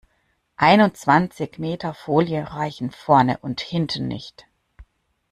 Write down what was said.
Einundzwanzig Meter Folie reichen vorne und hinten nicht.